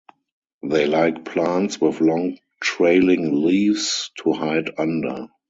They like plants with long trailing leaves to hide under.